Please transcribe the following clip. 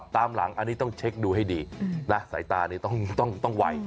ตามหลังอันนี้ต้องเช็คดูให้ดีนะสายตานี่ต้องไว